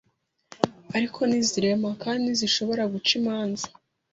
ariko ntizirema kandi ntizishobora guca imanza .